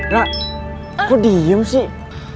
rara kok diem sih